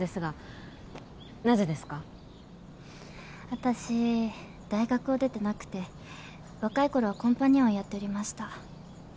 私大学を出てなくて若いころはコンパニオンをやっておりました。